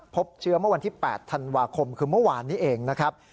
พบเชื้อเมื่อวันที่๘ธันวาคมคือเมื่อวานนี้เองนะครับ